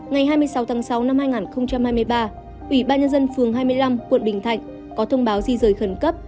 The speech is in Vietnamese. năm hai nghìn hai mươi ba ủy ban nhân dân phường hai mươi năm quận bình thạnh có thông báo di dời khẩn cấp